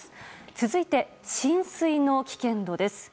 続いて、浸水の危険度です。